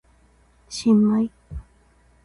新米